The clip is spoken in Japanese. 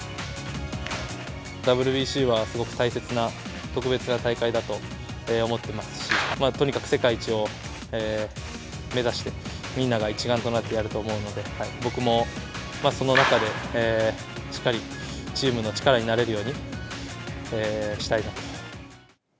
ＷＢＣはすごく大切な、特別な大会だと思ってますし、とにかく世界一を目指して、みんなが一丸となってやると思うので、僕もその中でしっかりチームの力になれるようにしたいなと。